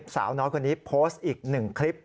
สาวน้อยคนนี้โพสต์อีกหนึ่งคลิป